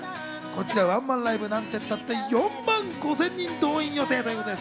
ワンマンライブ、なんてったって４万５０００人動員予定！